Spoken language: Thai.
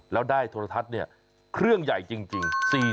แล้วได้โทรทัศน์เนี่ยเครื่องใหญ่จริง